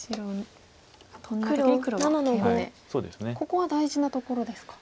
ここは大事なところですか。